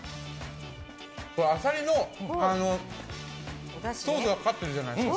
アサリのソースがかかってるじゃないですか。